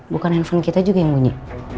bukan handphone kita juga yang bunyi